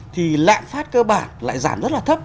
thì lạm phát cơ bản lại giảm rất là thấp